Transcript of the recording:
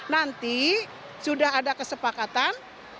nanti sudah ada kesepakatan